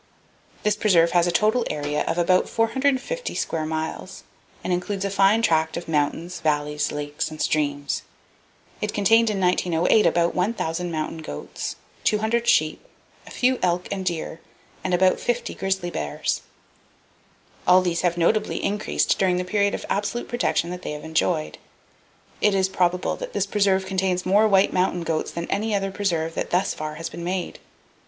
—This preserve has a total area of about 450 square miles, and includes a fine tract of mountains, valleys, lakes and streams. It contained in 1908 about 1,000 mountain goats, 200 sheep, a few elk and deer, and about 50 grizzly bears. All these have notably increased during the period of absolute protection that they have enjoyed. It is probable that this preserve contains more white mountain goats than any other preserve that thus far has been made.